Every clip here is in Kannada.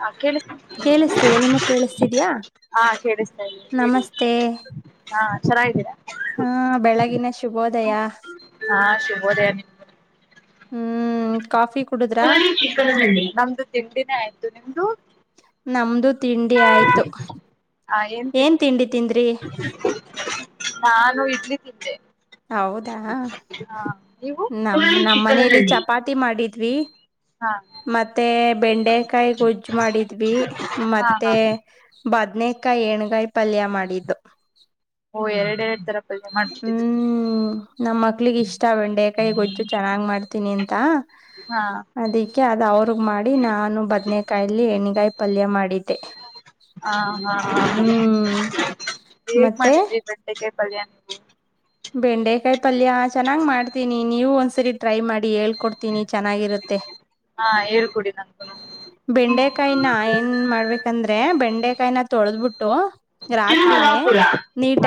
ಹಾ ಕೇಳ್ಸ್ ಕೇಳಿಸ್ತಿದೆ ನಿಮಗ್ ಕೇಳಿಸ್ತಿದ್ಯಾ [unintelligible] ಹಾ ಕೇಳಿಸ್ತಾ ಇದೆ ಹೇಳಿ ನಮಸ್ತೆ ಹಾ ಚೆನ್ನಾಗಿದ್ದೀರಾ. ಹಾ ಬೆಳಗಿನ ಶುಭೋದಯ ಹಾ ಶುಭೋದಯ ನಿಮ್ಗೂನೂ. ಹ್ಮ್. ಕಾಫಿ ಕುಡುದ್ರ ನಮ್ದು ತಿಂಡಿನೇ ಆಯ್ತು ನಿಮ್ದು. ನಮ್ದು ತಿಂಡಿ ಆಯ್ತು. ಹಾ ಏನ್ ತಿಂದ್ರಿ ತಿಂಡಿ ತಿಂದ್ರಿ ನೀವು ನಾನು ಇಡ್ಲಿ ತಿಂದೆ. ಹೌದಾ ಹಾ ನೀವು ನಮ್ ನಮ್ಮ ಮನೇಲಿ ಚಪಾತಿ ಮಾಡಿದ್ವಿ. ಹಾ ಮತ್ತೆ ಬೆಂಡೆಕಾಯಿ ಗೊಜ್ಜು ಮಾಡಿದ್ವಿ ಹಾ ಹಾ ಮತ್ತೆ ಬದ್ನ ಅಕ್ಕ ಏಣ್ಣ್ಗಾಯಿ ಪಲ್ಯ ಮಾಡಿದ್ದೋ. ಓ ಎರಡ್ ಎರಡ್ ತರ ಪಲ್ಯೆ ಮಾಡ್ಬಿಟ್ಟಿದ್ರು. ಹ್ಮ್ ನಮ್ ಮಕ್ಳಿಗ್ ಇಷ್ಟ ಬೆಂಡೆಕಾಯಿ ಗೊಜ್ಜು ಚೆನ್ನಾಗ್ ಮಾಡ್ತೀನಿ ಅಂತ. ಹಾ ಅದಿಕ್ಕೆ ಅದ ಅವ್ರಗ್ ಮಾಡಿ ನಾನು ಬದ್ನೆೇಕಾಯಲ್ಲಿ ಎಣ್ಣೆಗಾಯಿ ಪಲ್ಯ ಮಾಡಿದ್ದೆ. ಹಾ ಹಾ ಹಾ ಹ್ಮ್ ಹೇಗ್ ಮತ್ತೆ ಮಾಡಿದ್ರ ಗಂಟೆಗೆ ಬಯ ಬೆಂಡೆಕಾಯಿ ಪಲ್ಯ ಚೆನ್ನಾಗ್ ಮಾಡ್ತೀನಿ ನೀವು ಒಂದ್ಸರಿ ಟ್ರೈ ಮಾಡಿ ಹೇಳ್ ಕೊಡ್ತೀನಿ ಚೆನ್ನಾಗಿರುತ್ತೆ ಹಾ ಹೇಳ್ಕೊಡಿ ನನ್ಗುನು ಬೆಂಡೆಕಾಯಿನ ಏನ್ ಮಾಡ್ಬೇಕಂದ್ರೆ ಬೆಂಡೆ ಕಟ್ಟಕಾಯನ ತೊಳೆದ್ಬಿಟ್ಟು ರಾತ್ರಿನೇ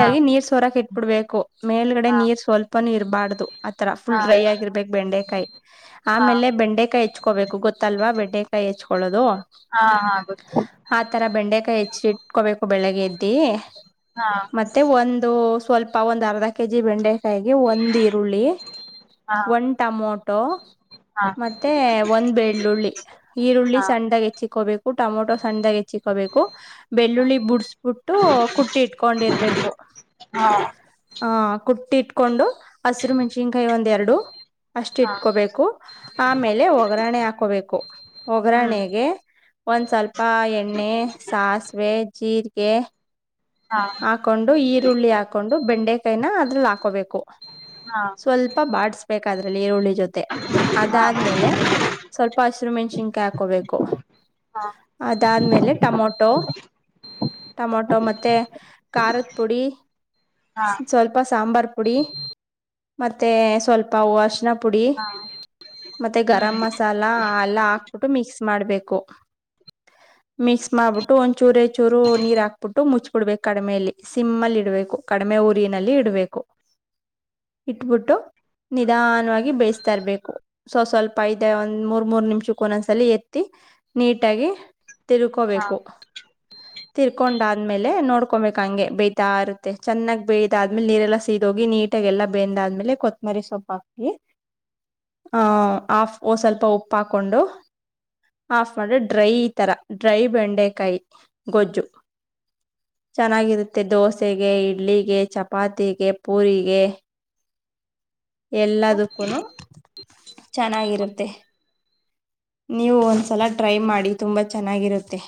ಹಾ ನೀರ್ ಸೋರಕ್ ಇಟ್ಬಿಡ್ಬೇಕು ಮೇಲ್ಗಡೆ ಹಾ ನೀರ್ ಸ್ವಲ್ಪನುೂ ಇರಬಾರ್ದು ಆ ತರ ಹಾ ಫುಲ್ ಡ್ರೈ ಆಗಿರ್ಬೇಕು ಬೆಂಡೆಕಾಯಿ ಹಾ ಹಾ ಆಮೇಲೆ ಬೆಂಡೆಕಾಯಿ ಹೆಚ್ಕೋಬೇಕು ಗೊತ್ತಲ್ವಾ ಬೆಟ್ಟ ಂಡೆಕಾಯಿ ಹೆಚ್ಕೊಳ್ಳುದು ಹಾ ಗೊತ್ತು ಆ ತರ ಬೆಂಡೆಕಾಯಿ ಹೆ ಇಟ್ಕೋಬೇಕು ಬೆಳಗ್ಗೆ ಎದ್ದಿ ಹಾ ಮತ್ತೆ ಒಂದು ಸ್ವಲ್ಪ ಒಂದರ್ ಅರ್ ಕೆಜಿ ಬೆಂಡೆಕಾಯಗೆ ಒಂದ್ ಈರುಳ್ಳಿ ಹಾ ಒಂದ್ ಟಮೊಟೊ ಹಾ ಮತ್ತೆ ಒಂದ್ ಬೆಳ್ಳುಳ್ಳಿ ಈರುಳ್ಳಿ ಹಾ ಸಣ್ಣಾಗ ಹೆಚ್ಚಿಕ್ಕ ಹೋಬೇಕು ಹ ಟಮಟೊೋ ಸಣ್ಣದಾಗ ಹೆಚ್ಚಿಕೋಬೇಕು ಹಾ ಬೆಳ್ಳುಳ್ಳಿ ಬುಡ್ಸ್ಬಿಟ್ಟು ಕುಟ್ಟಿ ಇಟ್ಕೊಂಡಿರ್ಬೇಕು ಹ ಕುಟ್ಟಿ ಇಟ್ಕೊಂಡು ಹಸಿರು ಮೆಣ್ಸಿನ್ಕಾಯಿ ಒಂದ್ೆರಡು ಅಷ್ಟ ಹಾ ಇಟ್ಕೋಬೇಕು ಆಮೇಲೆ ಒಗ್ಗರಣೆ ಹಾಕೋಬೇಕು ಹ್ಮ್ ಒಗ್ರಣೆಗೆ ಒಂದ್ ಸ್ವಲ್ಪ ಎಣ್ಣೆ ಸಾಸಿವೆ ಜೀರಿಗೆ ಹಾ ಹಾಕೊಂಡು ಈರುಳ್ಳಿ ಹಾಕೊಂಡು ಬೆಂಡೆಕೈನ ಅದ್ರಲ್ಲಿ ಹಾಕೋಬೇಕು ಹಾ ಸ್ವಲ್ಪ ಬಾಸ್ಬೇಕ ಅದ್ರಲ್ಲಿ ಈರುಳ್ಳಿ ಜೊತೆ ಹಾ ಹಾ ಅದಾದ್ಮೇಲೆ ಸ್ವಲ್ಪ ಹಸಿರು ಮೆಣಸಿನ್ಕಾಯಿ ಹಾಕೋಬೇಕು ಹಾ ಅದಾದ್ಮೇಲೆ ಟಮೊಟೊ ಟಮೊಟೊ ಮತ್ತೆ ಖಾರದ ಪುಡಿ ಹಾ ಸ್ವಲ್ಪ ಸಾಂಬಾರ್ ಪುಡಿ ಮತ್ತೆ ಸ್ವಲ್ಪ ಹೂ ಅಶನ ಪುಡಿ ಮತ್ತೆ ಗರಂ ಮಸಾಲ ಎಲ್ಲಾ ಹಾಕ್ಬಿಟ್ಟು ಮಿಕ್ಸ್ ಮಾಡ್ಬೇಕು ಮಿಕ್ಸ್ ಮಾಡ್ಬಿಟ್ಟು ಒಂದ್ ಚೂರ ಚೂರು ನೀರ್ ಹಾಕ್ಬಿಟ್ಟು ಮುಚ್ಬಿಡ್ಬೇಕು ಕಡಿಮಲಿ ಸಿಮ್ಮ್ ಅಲ್ಲಿ ಇಡ್ಬೇಕುಮ ಕಡಿಮೆ ಊರಿನಲ್ಲಿ ಇಡ್ಬೇಕು ಇಟ್ಬಿಟ್ಟು ನಿಧಾನವಾಗಿ ಬೇಸ್ತಾರ್ಬೇಕು ಸ್ ಸ್ವಲ್ಪ ಐದ ಒಂದ್ ಮೂರ್ ಮೂರ್ ನಿಮಿಷಕ್ಕ ಒೊಂದ್ಸಲ ಎತ್ತಿ ನೀಟಾಗಿಿ ಹಾ ತಿರ್ಕೋಬೇಕು ತಿರ್ಕೊಂಡಾದ್ಮೇಲೆ ನೋಡ್ಕೊಬೇಕು ಹಂಗೆ ಬೇತಾ ಇರುತ್ತೆ ಚೆನ್ನಾಗ್ ಬೇಯ್ದಾದ್ಮೇಲೆ ನೀರೆಲ್ಲಾ ಸೀದೋಗಿ ನೀಟಾಗ ಎಲ್ಲ ಬೆಂದಾದ್ಮೇಲೆ ಕೊತ್ತಮರಿ ಸೊಪ್ಪು ಹಾಕಿ ಹ ಆಫ್ ಸ್ವಲ್ಪ ಉಪ್ಪ ಹಾಕೊಂಡು ಆಫ್ ಮಾಡ್ರೆ ಡ್ರೈ ಈ ತರ ಡ್ರೈ ಬೆಂಡೆಕಾಯಿ ಗೊಜ್ಜು ಚೆನ್ನಾಗಿರುತ್ತೆ ದೋಸೆಗೆ ಇಡ್ಲಿಗೆ ಚಪಾತಿಗೆ ಪೂರಿಗೆ ಎಲ್ಲದಕ್ಕೂ ಚೆನ್ನಾಗಿರುತ್ತೆ ನೀವು ಒಂದ್ಸಲ ಟ್ರೈ ಮಾಡಿ ತುಂಬಾ ಚೆನ್ನಾಗಿರುತ್ತೆ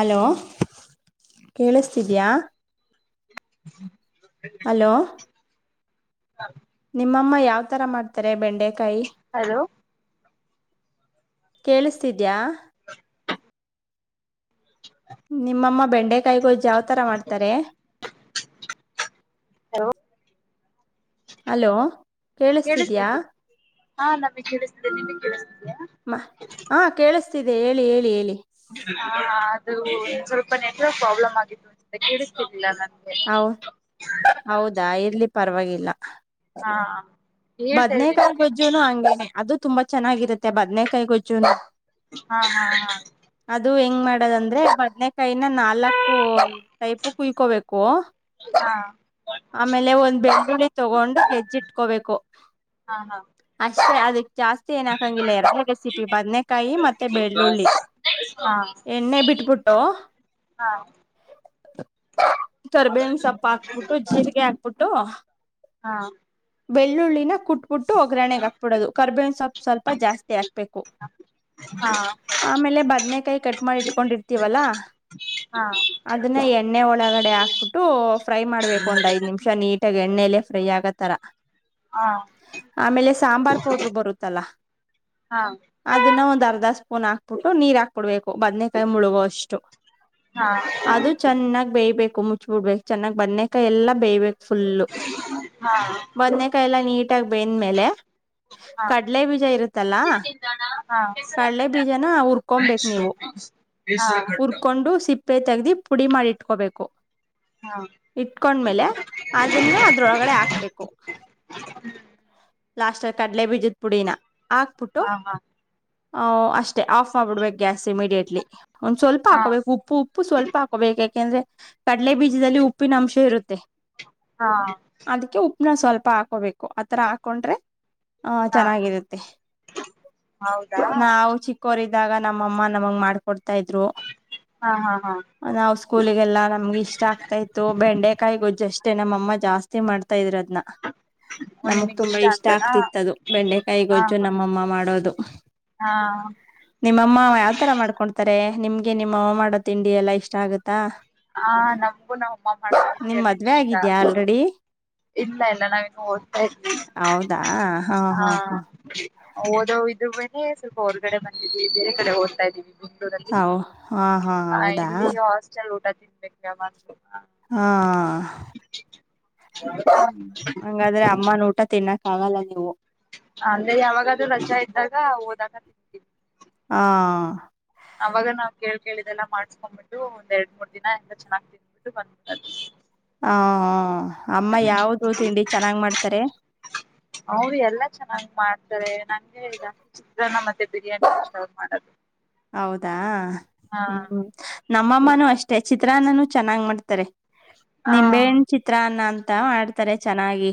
ಅಲೋ ಕೇಳಿಸ್ತಿದ್ಯಾ ಹ ಹಲೋ ಹ ನಿಮ್ಮಮ್ಮ ಯಾವ್ ತರ ಮಾಡ್ತಾರೆ ಬೆಂಡೆ ಹಲೋ ಕೇಳಿಸ್ತಿದ್ಯಾ ನಿಮ್ಮಮ್ಮ ಬೆಂಡೆ ಕಿ ಗೋ್ಜ ಯಾವ್ತರ ಮಾಡ್ತಾರೆ ಹಲೋ ಅಲೋ ಕೇಳಿಸ್ತಿದ್ಯಾ ಹಾ ನಮ್ಗೆ ಕಿಸ್ತಿದೆನೆ ನಿಮಗೆ ಕೇಳಿಸ್ ಮಾ ಹಾ ಕೇಳಿಸ್ತಿದೆ ಹೇಳಿ ಹೇಳಿ ಹೇಳಿ ಹ ಅದು ಇ ಸ್ವಲ್ಪ ನೆಂರ ಪ್ರಾಬ್ಲಮ್ ಆಗಿತ್ತುೊ ಕಡಿಸತಿಲ್ಲ ನಾನ ಹ ಹೌದಾ ಇರ್ಲಿ ಪರವಾಗಿಲ್ಲ ಹಾ ಹೇಳ್ತಾ ಇದ್ರಿ ಬದ್ನೇಕಾಯ ನೀವೇನು ಗೊಜ್ಜುನು ಹಂಗೇನೆ ಅದು ತುಂಬಾ ಚೆನ್ನಾಗಿರುತ್ತೆ ಬದ್ನೆಕಾಯಿ ಗೊಜ್ಜುನೂ ಹಾ ಅದು ಹಿಂಗ್ ಮಾಡದ ಅಂದ್ರೆ ಬದ್ನ ಕಾಯಿ ಇನ್ನ್ ನಾಲಕ್ಕೂ ಟೈಪೂ ಕುಯ್ಕೋಬೇಕು. ಹಾ ಆಮೇಲೆ ಒಂದ್ ಬೆಳ್ಳುಳ್ಳಿ ತೊಗೊಂಡು ಜೆಜ್ಜಿಟ್ಕೋಬೇಕು. ಹಾ ಹಾ ಅಷ್ಟೆ ಅದ ಜಾಸ್ತಿ ಏನ ಹಾಕಂಗಿಲ್ಲ ಎರ ರೆಸಿಪಿ ಬದ್ನೇಕಾಯಿ ಮತ್ತೆ ಬೆಳ್ಳುಳ್ಳಿ. ಹಾ ಹಾ ಎಣ್ಣೆ ಬಿಟ್ಬಿಟ್ಟು. ಹಾ ಕರ್ಬೇವಿನ್ ಸೊಪ್ಪ ಹಾಕ್ಬಿಟ್ಟು ಜೀರಿಗೆ ಹಾಕ್ಬಿಟ್ಟು. ಹಾ ಬೆಳ್ಳುಳ್ಳಿನ ಕುಟ್ಬಿಟ್ಟು ಒಗ್ಗರಣೆಗೆ ಹಾಕ್ಬಿಡೋದು ಕರ್ಬೇವನ್ ಸೊಪ್ಪು ಸ್ವಲ್ಪ ಜಾಸ್ತಿ ಹಾಕ್ಬೇಕು. ಹಾ ಹಾ ಹಾ ಹಾ ಹಾ ಹಾ ಆಮೇಲೆ ಬದ್ನೆಕಾಯ ಕಟ್ ಮಾಡಿ ಇಟ್ಕೊಂಡಿರ್ತಿವ ಅಲಾ ಅದನ್ನಾ ಎಣ್ಣೆ ಒಳಗೆ ಒಳಗಡೆ ಹಾಕ್ಬಿಟ್ಟು ಫ್ರೈ ಮಾಡ್ಬೇಕು ಒಂದ್ ಐದ್ ನಿಮಿಷ ನೀಟಾಗಿ ಎಣ್ಣೆಯಲ್ಲೇ ಫ್ರೈ ಆಗತರ. ಆಮೇಲೆ ಸಾಂಬಾರ್ ಪೌಡ್ರ ಬರುತ್ತಲ್ಲ. ಅದನ್ನ ಒಂದ್ ಅರ್ಧ ಸ್ಪೂನ್ ಹಾಕ್ ಹಾಕ್ಬಿಟ್ಟು ನೀರ್ ಹಾಕ್ಬಿಡ್ಬೇಕು ಬದ್ನೆಕಾಯಿ ಮುಳುಗೋಷ್ಟು ಅದು ಚೆನ್ನಾಗಿ ಬೇಯ ಬೇಕು ಮುಚ್ಬ ಬಿಡ್ಬೇಕು ಚೆನ್ನಾಗ ಬನ್ನೇಕಾಯ ಎಲ್ಲ ಬೇಯಬೇಕ ಫುಲ್ಲು ಹಾ ಹಾ ಬದನೆಕಾಯಲ್ಲ ನೀಟಾಗಿ ಬೆಂದ್ಮೇಲೆ ಹಾ ಕಡ್ಲೆ ಬೀಜ ಇರುತ್ತಲ್ಲ ಮುಂದಿನ ನಿಲ್ದಾಣ ಕಡಲೆ ಕೆಸರಘಟ್ಟ ಬೀಜನ ಹುರ್ಕೊಂಬೆಕ್ ನೀವು. ಹುರ್ಕೊಂಡು ಸಿಪ್ಪೆ ತೆಗದಿ ಪುಡಿ ಮಾಡಿಟ್ಕೋಬೇಕು. ಹಾ ಇಟ್ಕೊಂಡ್ಮೇಲೆ ಅದನ್ನ ಅದ್ರೊಳಗಡೆ ಹಾಕ್ಬೇಕು. ಲಾಸ್ಟ್ ಅಲ್ ಕಡಲೆ ಬೀಜದ ಪುಡಿನ ಹಾಕ್ಬಿಟ್ಟು ಹಾ ಹ ಅಷ್ಟೇ ಆಫ್ ಮಾಡ್ಬಿಡ್ಬೇಕ ಗ್ಯಾಸ್ ಇಮಿಡಿಯೇಟ್ಲಿ. ಒನ್ ಸ್ವಲ್ಪ ಹಾ ಹಾ ಹಾಕೋಬೇಕು ಉಪ್ಪು ಉಪ್ಪು ಸ್ವಲ್ಪ ಹಾಕೋಬೇಕ ಯಾಕೆಂದ್ರೆ ಕಡಡ್ಲೆ ಬೀಜದಲ್ಲಿ ಉಪ್ಪ ಉಪ್ಪಿನ ಅಂಶ ಇರುತ್ತೆ. ಹಾ ಇನ್ನ ಸ್ವಲ್ಪ ಹಾಕೋಬೇಕು ಆತರ ಹಾಕೊಂಡ್ರೆ ಹಾ ಚೆನ್ನಾಗಿರುತ್ತೆ ಹೌದಾ ನಾವು ಚಿಕ್ಕೋರ ಇದ್ದ ದ್ದಾಗ ನಮ್ಮಮ್ಮ ನಮಗ ಮಾಡ್ಕೊಡ್ತಾ ಇದ್ರು ಹಾ ಹಾ ಹಾ ನಾವು ಸ್ಕೂಲಿಗ ಎಲ್ಲಾ ನಮ್ಗೆ ಇಷ್ಟ ಆಗ್ತಾ ಇತ್ತು ಬೆಂಡೆಕಾಯಿ ಗೊಜ್ಜ ಅಷ್ಟೇ ನಮ್ಮಮ್ಮ ಜಾಸ್ತಿ ಮಾಡ್ತಾ ಇದ್ರ ಅದು ನಾ ನಮಗ್ ನಿಮಗ್ ತುಂಬಾ ಇಷ್ಟ ಅಂತನಾ ಆಗ್ತಿತ್ತದು ಹಾ ಬೆಂಡೆಕಾಯಿಗೊಜ್ಜು ನಮ್ಮಮ್ಮ ಮಾಡೋದು. ಹಾ ನಿಮ್ಮಮ್ಮ ಯಾವ್ತರ ಮಾಡಕೋಡ್ತಾರೆ. ನಿಮ್ಗೆ ನಿಮ್ಮ ಅವ್ವಾ ಮಾಡೋ ತಿಂಡಿ ಎಲ್ಲಾ ಇಷ್ಟ ಆಗುತ್ತಾ. ಹಾ ನಮಗೂ ನಮ್ ಅಮ್ಮ ಮಾಡ ತಿಂಡಿ ನಿಮ್ ಅಂದ್ರೆ ಮದ್ವೆ ಇಷ್ಟ. ಆಗಿದ್ಯಾ ಆಲ್ರೆಡಿ ಇಲ್ಲ ಇಲ್ಲ ನಾವಿನ್ನು ಓದ್ತಾ ಇದ್ವಿ ಹಾ. ಓದೋವಿದು ಮೇಲೆ ಸ್ವಲ್ಪ ಹೊರ್ಗಡೆ ಬಂದಿದೀವಿ ಬೇರೆ ಕಡೆ ಓದ್ತಾ ಇದ್ದೀವಿ. ಮಂಗಳೂರಲ್ಲಿ ಹೌ ಹಾ ಹಾ ಹೌದಾ ಇಲ್ಲಿ ಹಾಸ್ಟೆಲ್ ಊಟ ತಿನ್ಬೇಕ ಯಾವಾಗ್ಲೂ ಹಾ. ಹಾ ಹಂಗಾದ್ರೆ ಅಮ್ಮನ ಊಟ ತಿನ್ನಕ್ ಆಗಲ್ಲ ನೀವು. ಅಲ್ಲೇ ಯಾವಾಗಾದ್ರೂ ರಜಾ ಇದ್ದಾಗ ಓದಾಗ. [unintelligible] ಹಾ ಅವಾಗ ನಾವ್ ಕೇಳ್ ಕೇಳಿದೆಲ್ಲ ಮಾಡ್ಸ್ಕೊಂಡ್ಬಿಟ್ಟು ಒಂದ್ ಎರಡ್ ಮೂರ್ ದಿನ ಎಂಗ ಚೆನ್ನಾಗ್ ತಿನ್ಬಿಟ್ಟು ಬಂದ್ಬಿಡದು. ಹ ಅಮ್ಮ ಯಾವದು ತಿಂಡಿ ಚೆನ್ನಾಗ್ ಮಾಡ್ತಾರೆ. ಅವ್ರು ಎಲ್ಲಾ ಚೆನ್ನಾಗ್ ಮಾಡ್ತಾರೆ ನಂಗ ಹಂಗೇನಿಲ್ಲಾ ಚಿತ್ರನ ಮತ್ತೆ ಬಿರಿಯಾನಿ ಇಷ್ಟ್ ಅವ್ರ್ ಮಾಡೋದು. ಹೌದಾ ಹಾ ಹ್ಮ್ ನಮ್ಮಮ್ಮನೂ ಅಷ್ಟೆ ಚಿತ್ರಾನ್ನನುೂ ಚೆನ್ನಾಗ್ ಮಾಡ್ತಾರೆ. ಹಾ ನಿಂಬೆಯನ್ ಚಿತ್ರಾನ್ನ ಅಂತ ಮಾಡ್ತಾರೆ ಚೆನ್ನಾಗಿ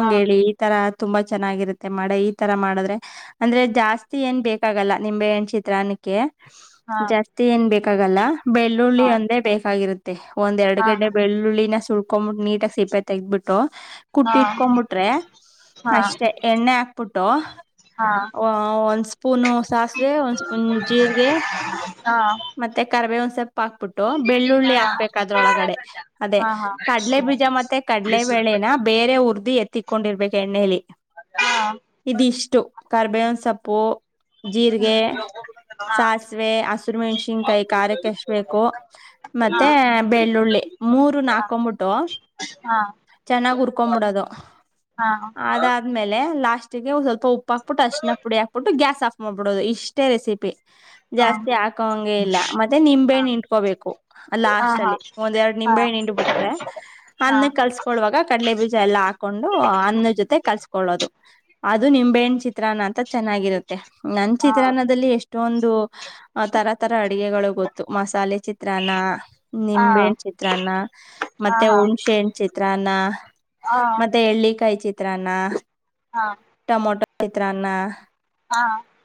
ಹಾ ಹೇಳಿ ಈ ತರ ತುಂಬಾ ಚೆನ್ನಾಗಿರುತ್ತೆ ಮಾಡು ಈ ತರ ಮಾಡಿದ್ರೆ ಅಂದ್ರೆ ಜಾಸ್ತಿ ಏನ್ ಬೇಕಾಗಲ್ಲ ನಿಂಬೆಯಣ್ ಚಿತ್ರ ನಕ್ಕೆ ಹಾ ಜಾಸ್ತಿ ಏನ್ ಬೇಕಾಗಲ್ಲ ಬೆಳ್ಳುಳ್ಳಿ ಹಾ ಒಂದೇ ಬೇಕಾಗಿರುತ್ತೆ ತ್ತೆ ಒಂದ್ ಎರಡು ಹಾ ಗಡ್ಡೆ ಬೆಳ್ಳುಳ್ಳಿನ ಸುಳ್ಕೊಂಡ್ಂಬಿಟ್ಟ ನೀಟಾಗಿ ಸಿಪೆ ತೆಗ್ಬಿಟ್ಟು ಕುಟ್ ಹಾ ಇಟ್ಕೊಂಬಿಟ್ರೆ ಹಾ ಹಾ ಅಷ್ಟೆ ಎಣ್ಣೆ ಹಾಕ್ಬಿಟ್ಟು ಹಾ ಅ ಒಂದ್ ಸ್ಪೂನು ಸಾಸಿವೆ ಒಂದ್ ಸ್ಪೂನ್ ಜೀರಿಗೆ ಹಾ ಮತ್ತೆ ಕರ್ಬೇವಿನ ಸೊಪ್ಪು ಹಾಕ್ಬಿಟ್ಟು ಬೆಳ್ಳುಳ್ಳಿ ಹಾಕ್ಬೇಕು ಅದ್ರ ಒಳಗಡೆ ಅದೇ ಹಾ ಹಾ ಕಡಲೆ ಬೀಜ ಮತ್ತೆ ಕಡಲೆಬೇಳೆನ ಬೇರೆ ಉರ್ದಿ ಎತ್ತಿಕೊಂಡಿರ್ಬೇಕು ಎಣ್ಣೇಲಿ ಇದಿಷ್ಟು ಹಾ ಕಾರ್ಬೇವಿನ್ ಸೋಪ್ಪು ಹ್ಮ್ ಸಾಸಿವೆ ಹಸಿರು ಮೆಣಸಿನ್ಕಾಯಿ ಕಾರಕ್ಕೆ ಎಸ್ಟಬೇಕೊ ಮತ್ತೆ ಬೆಳ್ಳುಳ್ಳಿ ಮೂರುನು ಹಾಕೊಂಬಿಟ್ಟು ಚೆನ್ನಾಗ್ ಉುರ್ಕೊಬಿಡೋದು ಅದಾದ್ಮೇಲೆ ಲಾಸ್ಟಿಗೆ ಒ ಸ್ವಲ್ಪ ಉಪ್ಪು ಹಾಕ್ಬಿಟ್ಟು ಅರಿಶಿಣ ಪುಡಿ ಹಾಕ್ಬಿಟ್ಟು ಗ್ಯಾಸ್ ಆಫ್ ಮಾಡ್ಬಿಡುದು ಇಷ್ಟೇ ರೆಸಿಪಿ ಜಾಸ್ತಿ ಹಾಕೋಂಗೆ ಇಲ್ಲ ಮತ್ತೆ ನಿಂಬೆಯನ್ ಹಿಂಡ್ಕೋಬೇಕು ಹಾ ಲಾಸ್ಟ್ ಹಾ ಹಾ ಅಲ್ಲಿ ಒಂದೆರಡ್ ನಿಂಬೆಯನ್ ಹಿಂಡ್ ಬಿಟ್ರೆ ಹಾ ಅನ್ನಕ್ಕೆ ಕೊಳ್ಳುವಾಗ ಕಡಲೆ ಬೀಜ ಎಲ್ಲ ಹಾಕೊಂಡು ಅನ್ನ ಜೊತೆ ಕಲ್ಸ್ಕೊಳ್ಳೋದು ಅದು ನಿಂಬೆಣ್ಣ್ ಚಿತ್ರನ ಅಂತ ಚೆನ್ನಾಗಿರುತ್ತೆ ನನ್ ಚಿತ್ರಾನ ದಲ್ಲಿ ಎಷ್ಟೊಂದು ತರ ತರ ಅಡುಗೆಗಳು ಗೊತ್ತು ಮಸಾಲೆ ಚಿತ್ರಾನ್ನ ನಿಂಬೆಯಣ ಚಿತ್ರಾನ್ನ ಹಾ ಮತ್ತೆ ಹಾ ಹಾ ಹಾ ಹಾ ಹಾ ಹಾ ಹಾ ಹುಣಸೆಯನ್ ಚಿತ್ರಾನ್ನ ಮತ್ತೆ ಎಳ್ಳಿಕಾಯಿ ಚಿತ್ರಾನ್ನ ಟೊಮೊಟೊ ಚಿತ್ರಾನ್ನ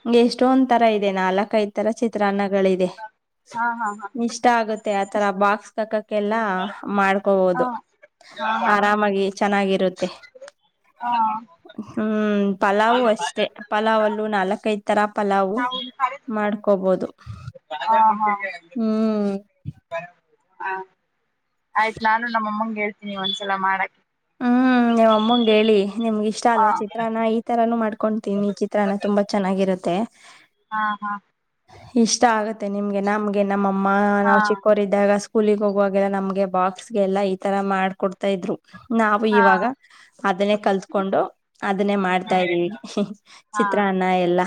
ಹಂಗೆ ಎಷ್ಟೊಂದ್ ತರ ಇದೆ ನಾಲ್ಕಐದ್ ತರ ಚಿತ್ರಾನ್ನಗಳಿದೆ ಹಾ ಹಾ ಇಷ್ಟ ಆಗುತ್ತೆ ಆತರ ಬಾಕ್ಸ್ಗೆ ಹಾಕಕ್ಕೆಲ್ಲಾ ಮಾಡ್ಕೋಬೋದು ಆರಾಮಾಗಿ ಚೆನ್ನಾಗಿರುತ್ತೆ ಹಾ ಹಾ ಹ್ಮ ಪಲಾವ್ ಅಷ್ಟೆ ಪಲಾವಲ್ಲೂ ನಾಲ್ಕೈದ್ ತರ ಪಲಾವು ನಾವು ಮಾಡ್ಕೋಬೋದು ಹ್ಮ್ ಹಾ ಆಯ್ತ್ ನಾನು ನಮ್ಮಮ್ಮಂಗ ಹೇಳ್ತೀನಿ ಒಂದ್ಸಲ ಮಾಡಕ್ಕೆ ಹ್ಮ್ ನಮ್ ಅಮ್ಮಂಗ ಹೇಳಿ ನಿಮ್ಗ ಇಷ್ಟ ಹ ಅಲ್ವಾ ಚಿತ್ರಾನ ಈ ತರಾನ ಮಾಡ್ಕ ಕೊತೀನ್ನಿ ಚಿತ್ರಾನ ತುಂಬಾ ಚೆನ್ನಾಗಿರುತ್ತೆ ಹಾ ಹಾ ಇಷ್ಟ ಆಗತ್ತೆ ನಿಮ್ಗೆ ನಮ್ಗೆ ನಮ್ಮ ಹಾ ನಾವ್ ಚಿಕ್ಕೋರಿದ್ದಾಗ ಸ್ಕೂಲಿಗೆ ಹೋಗುವಾಗ ನಮ್ಗೆ ಬಾಕ್ಸ್ಗೆಲ್ಲಾ ಈ ತರ ಮಾಡ್ಕೊಡ್ತಾ ಇದ್ರು ನಾವು ಹಾ ಇವಾಗ ಅದನ್ನೇ ಕಲ್ತ್ಕೊಂಡು ಅದನ್ನೇ ಮಾಡ್ತಾ ಇದ್ದೀವಿ ಹಾ ಚಿತ್ರಾ ಎಲ್ಲ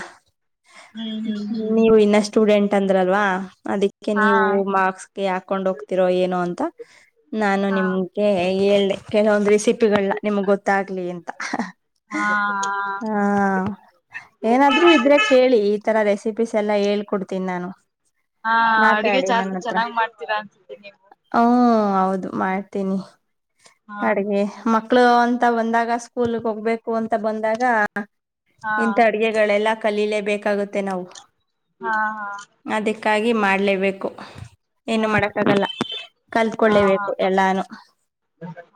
ಹ್ಮ್ ಹ್ಮ್ ಹ್ಮ್ ನೀವು ಇನ್ನಷ್ಟ ಸ್ಟೂಡೆಂಟ್ ಅಂದ್ರಲ್ವಾ ಅದಕ್ಕೆ ಹಾ ನೀವು ಬಾಕ್ಸ್ಗೆ ಹಾಕೊಂಡ್ ಹೋಗ್ತಿರೋ ಏನೋ ಅಂತ ನಾನು ಹಾ ನಿಮ್ಗೆ ಹೇಳ್ದೆ ಕೆಲವೊಂದು ರೆಸಿಪಿಗಳನ್ನ ನಿಮ್ಗ್ ಗೊತ್ತಾಗ್ಲಿ ಅಂತ ಹಾ ಹಾ ಏನಾದ್ರು ಇದ್ರೆ ಕೇಳಿ ಈತರ ರೆಸಿಪೀಸ್ ಎಲ್ಲಾ ಹೇಳಿ ಹೇಳ್ಕೋಡ್ತೀನಿ ನಾನು ಹಾ ಅಡ್ಗೆ ಮಾತಾಡಿ ನನ್ನ ಜಾಸ್ತಿ ಹತ್ರ ಚೆನ್ನಾಗ್ ಮಾಡ್ತೀರಾ ಅನ್ಸುತ್ತೆ ನೀವು ಹಾ ಹೌದು ಮಾಡ್ತೀನಿ ಹಾ ಅಡಿಗೆ ಮ ಮಕ್ಕಳು ಅಂತ ಬಂದಾಗ ಸ್ಕೂಲ್ ಹೋಗ್ಬೇಕು ಅಂತ ಬಂದಾಗ ಹಾ ಇಂತ ಅಡ್ಗೆಗಳೆಲ್ಲ ಕಲೀಲೇ ಬೇಕಾಗುತ್ತೆ ನಾವು ಹಾ ಹಾ ಕಾಗಿ ಮಾಡಲೇಬೇಕು ಏನು ಹಾ ಮಾಡಕ್ಕಾಗಲ್ಲ ಹಾ ಕಲ್ತ್ಕೊಳ್ಳೇಬೇಕು ಹಾ ಎಲ್ಲಾನು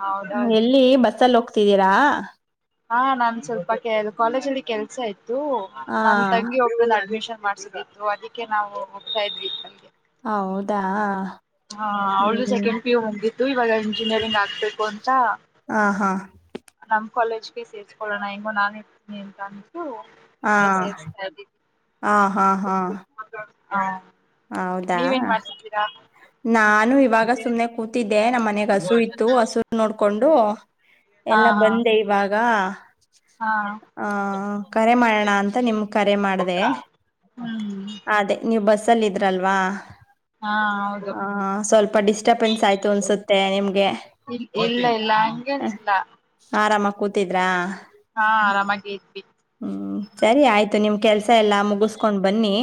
ಹೌದೌದು ಎಲ್ಲಿ ಬಸ್ಸಲ್ಲಿ ಹೋಗ್ತಿದ್ದೀರಾ ಹಾ ನಾನ್ ಸ್ವಲ್ಪ ಕೆ ಕಾಲೇಜ ಅಲ್ಲಿ ಕೆಲ್ಸ ಇತ್ತು ಹಾ ನನ್ ತಂಗಿ ಒಬ್ಬ ಅಡ್ಮಿಷನ್ ಮಾಡಿಸಬೇಕು ಅದಕ್ಕೆ ನಾವು ಹೋಗ್ತಾ ಇದ್ವಿ ನಮಗೆ ಹೌದಾ ಹಾ ಅವ್ರದುು ಹ್ಮ್ ಸೆಕೆಂಡ್ ಪಿು ಹೋಗಿದ್ದು ಇವಾಗ ಇಂಜಿನಿಯರಿಂಗ್ ಆಗ ಬೇಕು ಅಂತ ಹಾ ಹಾ ನಮ ಕಾಲೇಜ್ಗೆ ಸೇರಿಸಕೊಳ್ಳೋಣ ಹಿಂಗೋ ನಾನ ಇರ್ತನಿಂತ ಅ ಹಾ ಹಾ ಹಾ ಹಾ ಹಾ ಹೌದಾ ನೀವೇನ್ ಮಾಡ್ಸಿದ್ದೀರಾ ನಾನು ಇವಾಗ ಸುಮ್ನೆ ಕೂತಿದ್ದೆ ನಮ್ಮ ಮನೆಗ್ ಹಸು ಇತ್ತು ಹಸು ನೋಡ್ಕೊಂಡು ಹಾ ಎಲ್ಲ ಬಂದೆ ಇವಾಗ ಹಾ ಹಾ ಹ ಕರೆ ಮಾಡೋಣ ಅಂತ ನಿಮ್ ಕರೆ ಮಾಡ್ದ ಹ್ಮ್ ಅದೇ ನೀವ್ ಬಸ್ಸಲ್ಲಿ ಇದ್ರಲ್ವಾ ಹಾ ಹೌದು ಹಾ ಸ್ವಲ್ಪ ಡಿಸ್ಟರ್ಬೆನ್ಸ್ ಆಯ್ತು ಅನ್ಸುತ್ತೆ ನಿಮ್ಗೆ ಇಲ್ಲ ಇಲ್ಲ ಹಂಗೇ ಇಲ್ಲ ಆರಾಮ ಕೂತಿದ್ರಾ ಹಾ ಆರಾಮಾಗಿ ಇದಿ ಹ್ಮ್ ಸರಿ ಆಯ್ತು ನಿಮ ಕೆಲ್ಸ ಎಲ್ಲ ಮುಗಿಸಕೊಂಡ್ ಬನ್ನಿ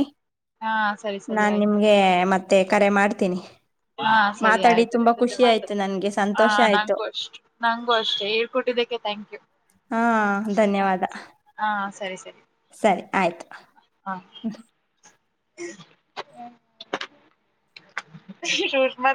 ಹಾ ಸರಿ ಸರಿ ನಾನ್ ಆಯ್ತು ನಿಮಗೆ ಮತ್ತೆ ಕರೆ ಮಾಡ್ ತನಿ ಹಾ ಸರಿ ಆಯ್ತು ನಿನ್ನೊೆ ಮಾತಾ ನನ್ಗೆ ಹ ಸಂತೋಷ ಆಯ್ತು ನಗೂ ಅಷ್ಟ ನಗೂ ಅಷ್ಟೇ ಹ ಇದಕ್ಕೆ ಥಾಂಕ್ ಯು ಹಾ ಹ ಧನ್ಯವಾದ ಹಾ ಸರಿ ಸರಿ ಸರಿ ಆಯ್ತು ಹಾ ಸುಷ್ಮಾ